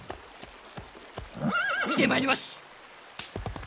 見てまいります！